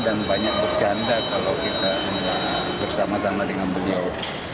dan banyak bercanda kalau kita bersama sama dengan beliau